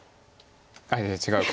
ああいや違うか。